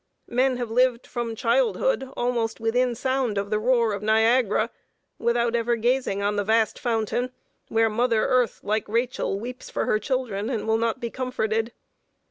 Men have lived from childhood almost within sound of the roar of Niagara, without ever gazing on the vast fountain, where mother Earth, like Rachel, weeps for her children, and will not be comforted.